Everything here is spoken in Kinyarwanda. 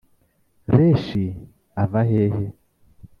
Reshi avahehe